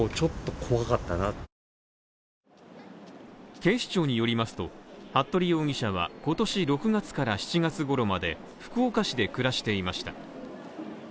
警視庁によりますと服部容疑者は今年６月から７月ごろまで、福岡市で暮らしていました。